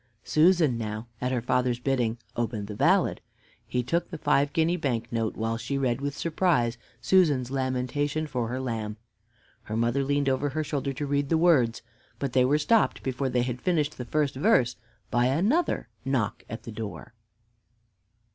Susan now, at her father's bidding, opened the ballad. He took the five guinea bank note, while she read, with surprise, "Susan's Lamentation for her Lamb." Her mother leaned over her shoulder to read the words, but they were stopped before they had finished the first verse by another knock at the door.